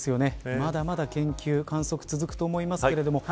まだまだ研究、観測続くと思いますけれども。